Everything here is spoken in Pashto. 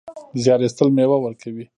زیار ایستل مېوه ورکوي